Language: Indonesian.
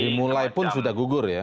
dimulai pun sudah gugur ya